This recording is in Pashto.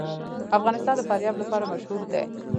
افغانستان د فاریاب لپاره مشهور دی.